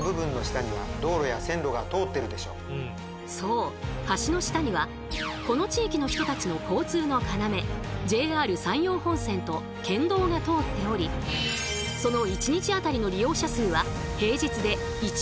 そう橋の下にはこの地域の人たちの交通の要ＪＲ山陽本線と県道が通っておりそう！